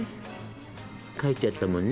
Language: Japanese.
帰っちゃったもんね。